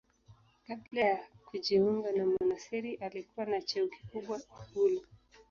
Kabla ya kujiunga na monasteri alikuwa na cheo kikubwa ikulu.